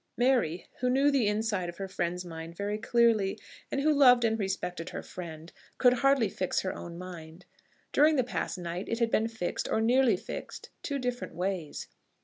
Mary, who knew the inside of her friend's mind very clearly, and who loved and respected her friend, could hardly fix her own mind. During the past night it had been fixed, or nearly fixed, two different ways.